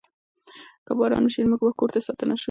که باران وشي، موږ به کور ته ستانه شو.